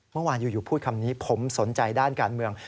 เมื่อวานอยู่พูดคำนี้ผมสนใจด้านการเมือง